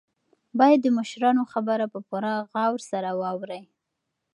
باید د مشرانو خبره په پوره غور سره واورئ.